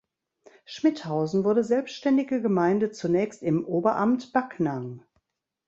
Schmidhausen wurde selbstständige Gemeinde zunächst im Oberamt Backnang.